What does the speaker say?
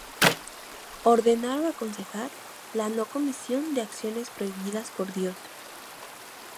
Ordenar o aconsejar la no comisión de acciones prohibidas por Dios.